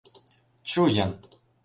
Чу-ян!